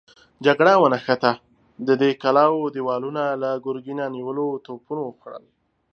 جګړه ونښته، د دې کلاوو دېوالونه له ګرګينه نيولو توپونو وخوړل.